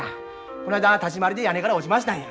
こないだ立ち回りで屋根から落ちましたんや。